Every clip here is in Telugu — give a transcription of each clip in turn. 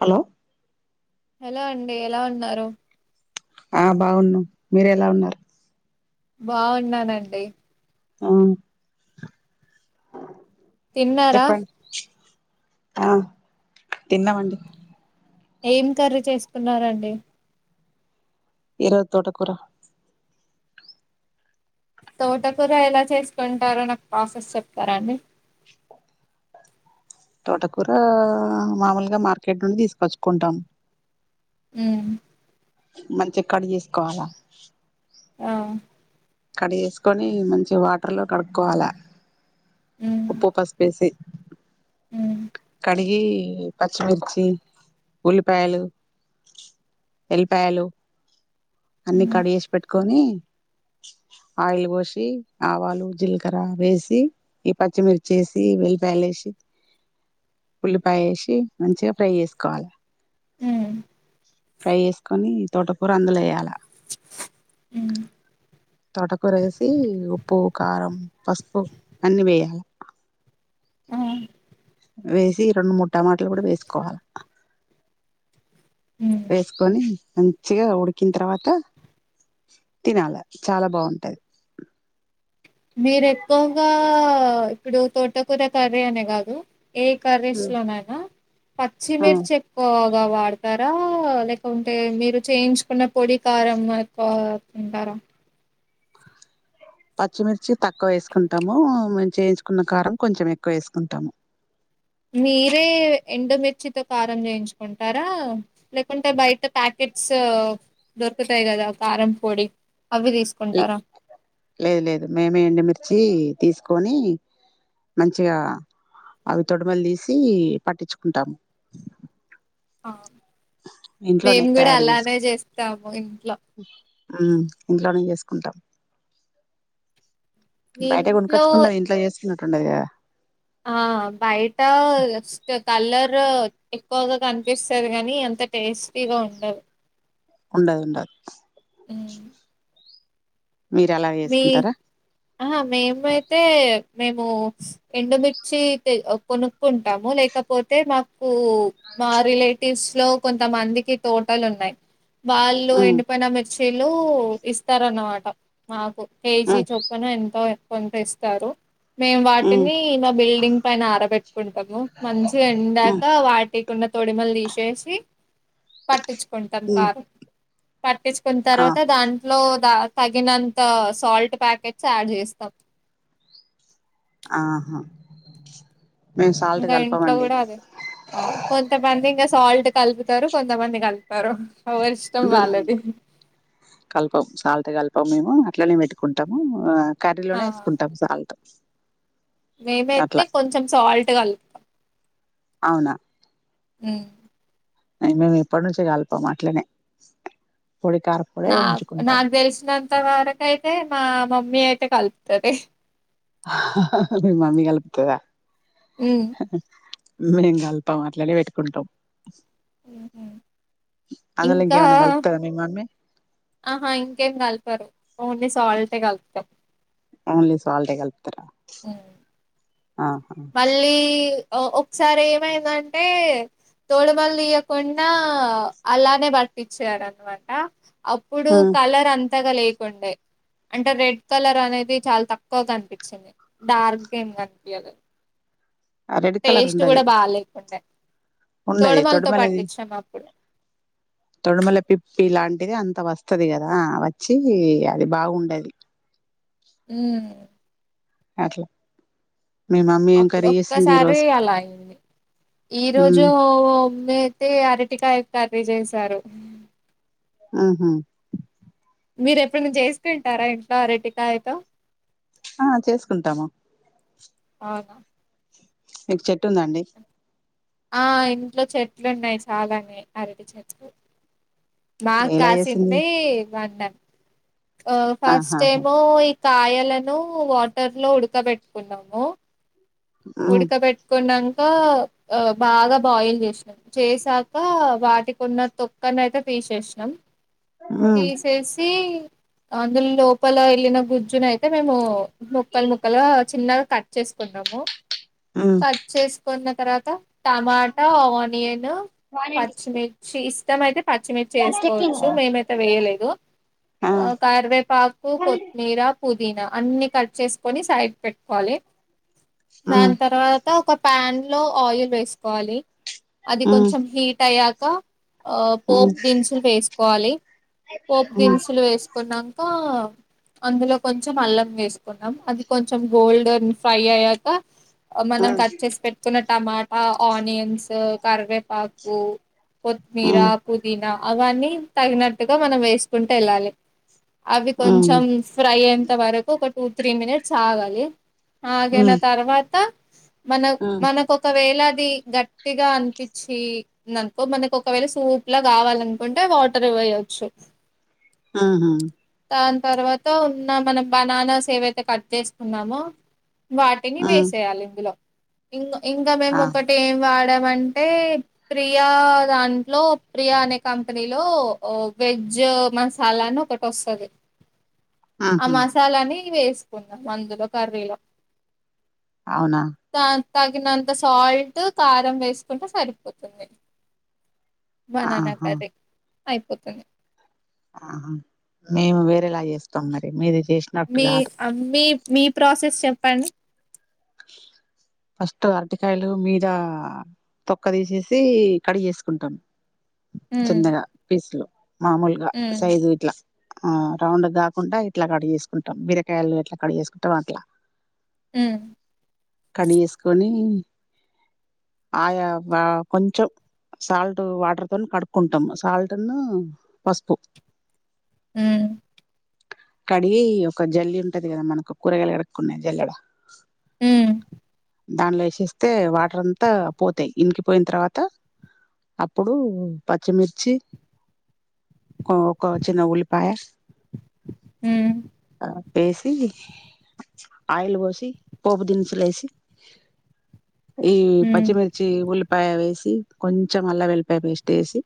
హలో హలో అండి ఎలా ఉన్నారు ఆ బాగున్నామ్ మీర ఎలా ఉన్నారు బాగున్నానండి ఆ తిన్నారా చెప్పండి ఆ తిన్నమండి ఏం కర్రీ చేసుకున్నరండి ఈ రోజు తోటకూర తోటకూరా ఎలా చేసుకుంటారో నాకు ప్రాసెస్ చెప్తారా అండి తోటకూర మామూలుగా మార్కెట్ నుండి తీసుకొచ్చుకుంటాం ఉహ్ మంచిగా కట్ చేసుకోవాలా ఆ కడ్ చేసుకొని మంచిగా వాటర్ లో కడుక్కోవాల ఉప్పు పసుపేసి ఉహ్ డిగి పచ్చిమిర్చి ఉల్లిపాయలు ఎల్లిపాయలు అన్ని ఉమ్ కడు చేసి పెట్టుకొని ఆయిల్ పోసి ఆవాలు జీలకర వేసి ఈ పచ్చిమిర్చి వేసి వెల్లిపాయిల్ ఏషి ఉల్లిపాయ ఏషి మంచిగా ఫ్రై చేసుకోవాలి ఉమ్ ఫ్రై చేసుకొని తోటకూర అందులో వేయ్యాలా ఉమ్ తోటకూరేసి ఉప్పు కారం పసుపు అన్ని వేయాలి ఉహ్ వేసి రెండు మూడు టమాటలు కూడా వేసుకోవాలి ఉమ్ వేసుకొని మం మంచిగా ఉడికిన తర్వాత తినాలి చాలా బాగుంటది మీరు ఎక్కువగా ఇప్పుడు తోటకూర కర్రీ అనే కాదు ఏ కర్రీస్ లోనైనా ఆ పచ్చిమిర్చి ఎక్కువ వాడతారా లేక ఉంటే మీరు చేయించుకున్న పొడి కారం ఎక్కువ తింటారా పచ్చిమిర్చి తక్కువ వేసుకుంటాము మేము చేయించుకున్న కారం కొంచెం ఎక్కువ వేసుకుంటాము మీరే ఎండుమిర్చితో కారం చేయించుకుంటారా లేకుంటే బయట ప్యాకెట్ క్ట్స్ దొరుకుతాయి కదా కారం పొడి అవి తీసుకుంటారా లేదు లేదు మేమే ఎండూమిర్చి తీసుకొని మంచిగా అవి తొడుమేలు తీసి పట్టించుకుంటాం ఆ మేము కూడా తయారు అలానే చేసుకు చేస్తాము ఇంట్లో ఆ ఇంట్లోనే చేసుకుంటాం మీ బయట ఇంట్లో కోనుకొచ్చుకున్నది ఇంట్ల చేసుకున్నట్టుండదు కదా ఆ బయట జస్ట్ కలర్ ఎక్కువగా కనిపిస్తది గానీ అంత టేస్టీగా ఉండదు ఉండదు ఉండదు మ్ మీరు అలా మీ చేసుకుంటారా ఆహా మేం కువయితే మేము ఎండుమిర్చి కొనుక్కుంటాము లేకపోతే మాకు మాకు మా రిలేటివ్స్ లో కొంత మందికి తోటలు ఉన్నాయి వాళ్ళు ఉమ్ ఎండిపోయిన మిర్చీలు ఇస్తారన్నమాట మాకు కేజీ ఉమ్ చొప్పున ఎంతో ఎక్కువంత ఇస్తారు మేము ఉమ్ వాటిని మా బిల్డింగ్ పైన ఆరబెట్టుకుంటాము మంచిగా ఉమ్ ఎండాక వాటికున్న తొడిమళ్ళ తీసేసి పట్టించుకుంటాం ఉమ్ కారం పట్టించుకున్న ఆ తర్వాత దాంట్లో దా తగినంత సాల్ట్ ప్యాకెట్స్ యాడ్ చేస్తాం ఆహా మేము సాల్ట్ ఇంకా ఇంట్లో కలపమండి కూడా అదే కొంతమంది ఇంకా సాల్ట్ కలుపితుంది తారు కొంతమంది కలపారు ఎవరి ఇష్టం ఉమ్, వాళ్ళది అ మేము అట్లనే పెట్టుకుంటాము ఆ కర్రీలోనే వేసుకుంటాము సాల్ట్ మేమైతే అట్లా కొంచెం సాల్ట్ కలుతాం అవునా అ మేము ఎప్పటి నుంచే కల్పము అట్లనే పొడి కారపొడే నా ఉంచుకుంటాము నాకు తెలిసినంత వరకు అయితే మా మమ్మీ అయితే కలుపుతది మీ మమ్మీ కలుప్తాడ ఉమ్ మేము కలిపాం అట్లనే పెట్టుకుంటాం అందులో ఇంకా ఇంకేమన కలుపుతార మీ మమ్మీ ఆహా ఇంకేం కలిపరు ఓన్లీ సాల్టే కలుపుతం ఓన్లీ స్వాల్టే కల్పి ఓ మళ్ళీ ఒకసారి ఏమైందంటే తోడుమలు తీయకుండా అలానే పట్టించారనమాట అప్పుడు ఉమ్, కలర్ అంతగా లేకుండే అంటే రెడ్ కలర్ అనేది చాలా తక్కువ కనిపించింది డార్క్ ఏమి కనిపియలే ఆ రెడ్ కలర్ టేస్ట్ ఉండది కూడా బా లేకుండ ఉండది తోడమలతో తొడుమలది పట్టించాం అప్పుడు తొడుమల పిప్పి లాంటిది అంత వస్తది కదా వచ్చి అది బాగుండది ఉమ్ అట్లా మీ మమ్మీ ఏం అప్పుడు కర్రీ చేసింది ఈ ఒక్కసారి రోజు అలా అయింది ఈ రోజు ఉమ్ మా మమ్మీ అయితే అరటికాయ కర్రీ చేసారు ఆహా మీరు ఎప్పుడైనా చేసుకుంటారా ఇంట్లో అరటికాయతో ఆ చేసుకుంటాము అవునా మీకు చెట్టు ఉంద అండి ఆ ఇంట్లో చెట్లు ఉన్నాయి చాలానే అరెటి చెట్లు బాగా ఎలా చేసింది కాసింది మండ [inaudible] ఆ ఫస్ట్ ఆహా టైమ్ కాయలను వాటర్ లో ఉడకబెట్టుకున్నాము ఉమ్ ఉడకపెట్టుకున బాగా బాయిల్ చేసినాం చేసాక వాటికి ఉన్న తొక్కన అయితే తెసిసినాం ఉమ్ తీసేసి అందులో లోపల వెళ్ళిన గుజ్జున అయితే మేము ముక్కలు ముక్కలు చిన్నగా కట్ చేసుకున్నాము ఉమ్ కట్ చేసుకున్న తర్వాత టమాటా ఆనియన్ పచ్చిమిర్చి ఇష్టం అయితే పచ్చిమిర్చి వేసుకోవచ్చు మేమైతే వేయలేదు ఆ కార్వేపాకు కొత్మీర పుదీనా అన్ని కట్ చేసుకొని సైడ్ పెట్టుకోవాలి ఉమ్ దాని తర్వాత ఒక ప్యాన్ లో ఆయిల్ వేసుకోవాలి అది ఉమ్ కొంచెం హీట్ అయ్యాక ఇంకా ఆ ఉమ్ పోపు దినుసులు వేసుకోవాలి పోపు ఉమ్ దినుసులు వేసుకున్నాక అందులో కొంచెం అల్లం వేసుకున్నాం అది కొంచెం గోల్డ మ్ ఫ్రై అయ్యాక మనం కట్ చేసి పెట్కున్న టమాటా ఆనియన్స్ కరవే పాకు కొత్మీర ఉమ్ పుదీనా అవన్నీ తగినట్టుగా మనం వేసుకుంట వెళ్ళాలి అవి ఉమ్ ఉమ్ కొంచం ఫ్రై అయింత వరకు ఒక టూ త్రీ మినిట్స్ ఆగాలి ఆగేన త మన ఉమ్ మనకు ఒకవేళ ది గట్టిగా అనిపించి అనుకో మనకి ఒకవేళ సూప్ లా కావాలనుకుంటే వాటర్ వేయొచ్చు ఆహా దా తర్వాత ఉన్న మనం బనానాస్ ఏవైతే కట్ చేసుకున్నామో టి ఉమ్ వేసేయాలి ఇందులో ఇంగ్ ఇంకా మేము ఆ ఒకటి ఏమ్ వా అంటే ప్రియా దాంట్లో ప్రియా అనే కంపెనీలో వెజ్ జో మనసలాను ఒకటోస్తది ఆ ఉహు మసాలాని వేసుకుందాం అందులో కర్రీలో అవునా దా తగినంత సాల్ట్ కారం వేసుకుంటే సరిపోతుంది బనానా ఆహా కర్రీ అయిపోతుంది ఆహా మేము వేరేలా చేస్తాం మరి మీది మీ చేసినట్టుగా అ మీ మీ ప్రాసెస్ చెప్పండి ఫస్ట్ అరటికాయలు మీద తొక్క తీసేసి కడిగే సుకుంటాం ఉమ్ చిన్నగా పీస్లు మామూలుగా ఉమ్ సైజు ఇట్లా ఆ రౌండ్ కాకుండా ఇట్లా కడిగ చేేసుకుంటాం బీరకాయలు ఇట్లా కడిగ చేేసుకుంటాం అట్లా ఉమ్ కని వేసుకొని ఆయా వ కొంచెం సాల్ట్ వాటర్ తో నీ కడుక్కుంటాము సాల్ట్ను పసుపు ఉమ్ అ కడిగి ఒక జల్లి ఉంటది కదా మనకు కూరగాయలు కడుక్నే జల్లలో ఉమ్ దానిలో వేసేస్తే వాటర్ అంతా పోతాయి ఇంకి పోయిన తర్వాత అప్పుడు పచ్చిమిర్చి ఓ ఒక చిన్న ఉల్లిపాయ ఉమ్ అట్ వేసి ఆయిల్ పోసి పోపు దినుసులే సి ఈ హ్మ్ పచ్చిమిర్చి ఉల్ పాయ వేసి కొంచెం అల్ల వెల్లిపాయ పేస్ట్ వేసి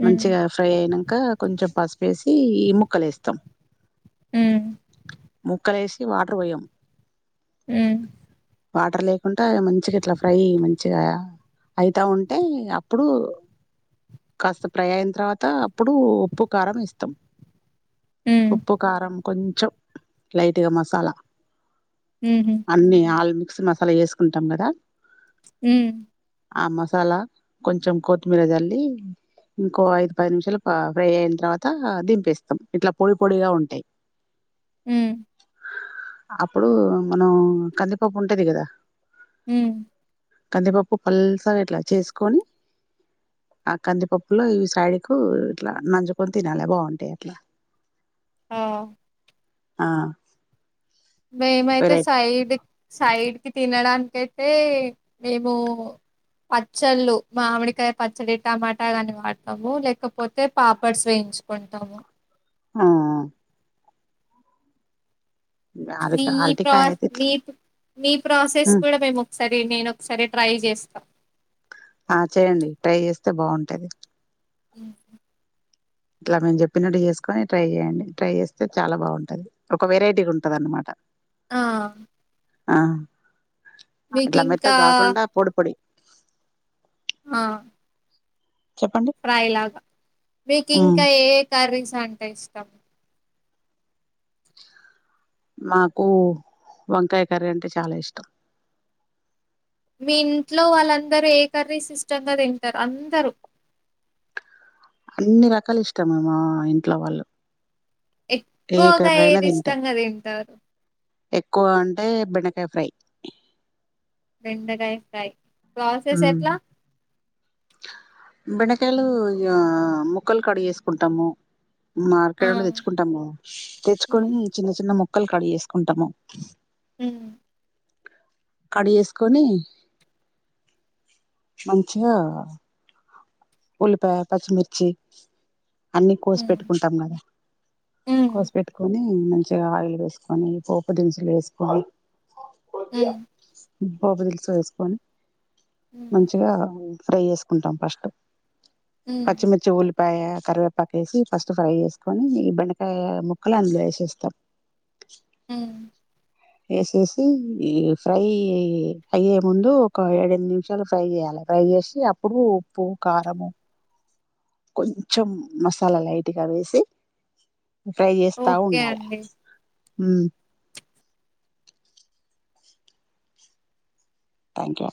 హ్మ్ మంచిగా ఫ్రై అయినా కా కొంచెం పసుపేసి ఈ ముక్కలు వేస్తాం ఉమ్ క్కలేేసి వాటర్ పోయమ్ ఉమ్ వాటర్ లేకుండా మంచిగా ఇట్లా ఫ్రై మంచిగా అయితా ఉంటే అప్పుడు కాస్త ప్రై అయిన్ తర్వాత అప్పుడు ఉప్పు కారం వేస్తాం హ్మ్. ఉప్పు కారంం కొంచం లైట్గా మసాలా హుహు. అన్ని ఆల్ మిక్సీ మసాలా వేసుకుంటాం కదా ఉమ్ ఆ మసాలా కొంచెం కొత్మీర జల్లి ఇంకో ఐదు పది నిమిషాలు ఫ్రై అయిన తర్వాత దిం పేస్తాం ఇట్లా పొడి పొడిగా ఉంటాయ్ ఉమ్ అప్పుడు మనం కందిపప్పు ఉంటది కదా ఉమ్ కందిపప్పు పల్సగ ఇట్లా చేసుకొని ఆ కందిపప్పులో ఈ సైడీ కు ఇట్లా నంజుకొని తినాలి బాగుంటాయి లా ఉమ్ ఆ మేమైతే వెరైటీ సైడ్ సైడ్ కి తినడానిక అయితే మేము పచ్చళ్ళు మామిడికాయ పచ్చడి టమాటా కాని వాడతాము లేకపోతే పాపడ్స్ వేయి చుకుంటాము ఉమ్ అర మీ ప్రా అరటికాయ అయితే మీ మీ ప్రాసెస్ ఇట్లా కూడా మేమోకసారి సరే నేను ఒకసారి ట్రై చేస్తా ఆ చేయండి ట్రై చేస్తే బాగుంటది హ్మ్. ఇట్లా మేము చెప్పినట్టు చేసుకొని ట్రై చేయండి ట్రై చేస్తే చాలా బాగుంటది ఒక వెరైటీ ఉంటది అనమాట ఆ ఆ అట్లా మెత్త మీకింకా కాకుండా పొడి పొడి ఆ చెప్పండి ఫ్రై లాగా మీకు ఉమ్ ఇంకా ఏ కర్రీస్ అంటే ఇష్టం నాకు వంకాయ కర్రీ అంటే చాలా ఇష్టం మీ ఇంట్లో వాళ్ళందరూ ఏ కర్రీ సిస్టంగా తింటారు అందరూ అన్ని రకాలు ఇష్టమే మా ఇంట్లో వాళ్ళు ఏ ఎక్కువగా కర్రీ అయినా ఏది తింటారు ఇష్టంగా తింటారు ఎక్కువ అంటే బెండకాయ ఫ్రై బెండకాయ ఫ్రై ప్రాసెస్ ఉమ్ ఎట్లా బెండకాయలు ముక్కలు కడుగేసుకుంటాము మార్కెడ ఆ నుండి తెచ్చుకుంటాము కదా తెచ్చుకొని హ్మ్ చిన్న చిన్న మొక్కలు కడి చేేసుకుంటాము ఉమ్ కడి చేసుకొని మంచిగా ఉలిపాయ పచ్చిమిర్చి అన్ని హ్మ్ కోసిపెట్టుకుంటాం కదా హ్మ్ కోసిపెట్టుకొని మంచిగా ఆయిల్ వేసుకొని పోపు దినుసులు వేసుకొని ఉమ్ పోపు దిలుసులు వేసుకొని హ్మ్ మంచిగా ఫ్రై చేసుకుంటాం ఫస్ట్ హ్మ్ పచ్చిమిర్చ్చి ఒలిపు పాయ కరివేపాక వేసి ఫస్ట్ ఫ్రై చేసుకొని ఈ బెండకాయ ముక్కలు అందులో వేసేస్తాం ఉమ్ వేసేసి ఈ ఫ్రై అయ్యే ముందు ఒక ఏడ ఎనిమిది నిమిషాలు ఫ్రై చేయాలి ఫ్రై చేసి అప్పుడు ఉప్పు కారము కొంచం మసాలా లైట్గా వేసి ఫ్రై చేస్తా ఓకే ఉండాల అండి ఉమ్ థ్యాంక్ యూ